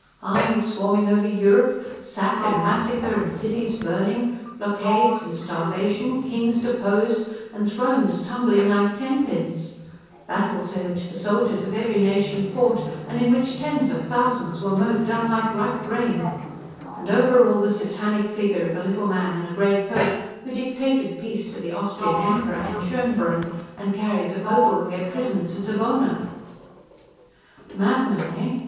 Armies swarming over Europe; sack and massacre, and cities burning; blockades, and starvation; kings deposed, and thrones tumbling like tenpins; battles in which the soldiers of every nation fought, and in which tens of thousands were mowed down like ripe grain; and, over all, the Satanic figure of a little man in a gray coat, who dictated peace to the Austrian Emperor in Schoenbrunn, and carried the Pope away a prisoner to Savona. Madman, eh?